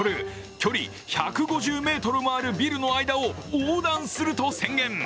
距離１５０ｍもあるビルの間を横断すると宣言。